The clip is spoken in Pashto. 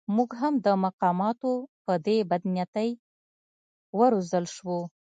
موږ هم د مقاماتو په دې بدنیتۍ و روزل شوو.